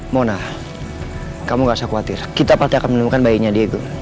mona kamu gak usah khawatir kita pasti akan menemukan bayinya dia itu